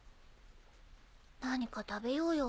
何か食べようよ